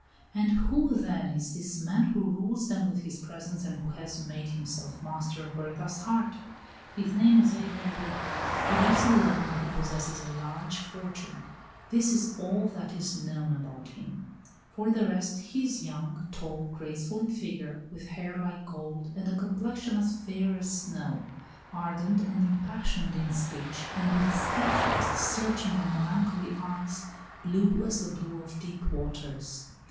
And who, then, is this man who rules them with his presence and who has made himself master of Berta's heart? His name is Adrian Baker, he lives alone, and he possesses a large fortune. This is all that is known about him. For the rest, he is young, tall, graceful in figure, with hair like gold and a complexion as fair as snow; ardent and impassioned in speech, and with steadfast, searching, and melancholy eyes, blue as the blue of deep waters.